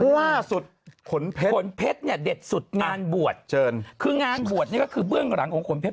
ล่าสุดขนเพชรเด็ดสุดงานบวชคืองานบวชนี่ก็คือเบื้องหลังของขนเพชร